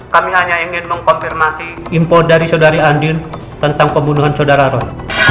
kami hanya ingin mengkonfirmasi info dari saudari andin tentang pembunuhan saudara roy